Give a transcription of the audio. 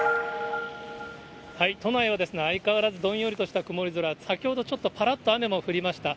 都内は相変わらずどんよりとした曇り空、先ほどちょっとぱらっとあめも降りました。